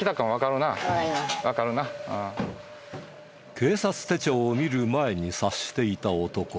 警察手帳を見る前に察していた男。